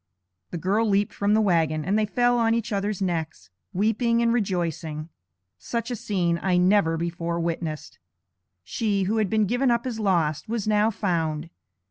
The girl leaped from the wagon, and they fell on each other's necks, weeping and rejoicing. Such a scene I never before witnessed. She, who had been given up as lost, was now found!